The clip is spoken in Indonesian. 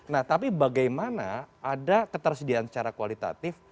nah tapi bagaimana ada ketersediaan secara kualitatif